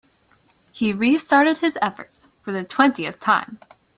He restarted his efforts for the twentieth time.